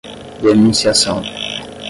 denunciação